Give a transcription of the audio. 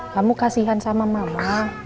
kamu kasihan sama mamah